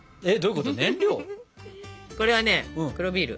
これはね黒ビール。